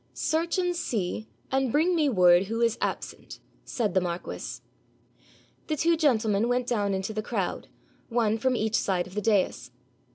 'Search and see, and bring me word who is absent,' said the marquis. The two gentlemen went down into the crowd, one from each side of the dais.